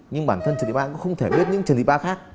nhưng bản thân trần thị ba cũng không thể biết những trần thị ba khác